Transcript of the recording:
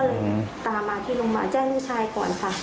ก็เลยตามมาที่โรงพยาบาลแจ้งลูกชายก่อนค่ะ